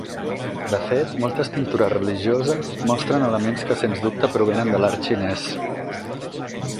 De fet, moltes pintures religioses, mostren elements que sens dubte provenen de l'art xinès.